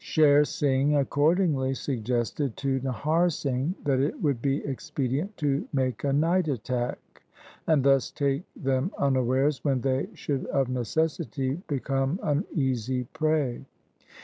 Sher Singh accordingly suggested to Nahar Singh that it would be expedient to make a night attack, and thus take them unawares when they should of necessity become an easy prey.